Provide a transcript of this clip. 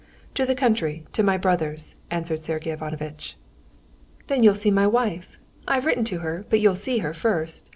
"To the country, to my brother's," answered Sergey Ivanovitch. "Then you'll see my wife. I've written to her, but you'll see her first.